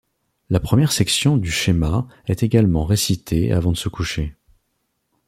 La première section du Chéma est également récitée avant de se coucher.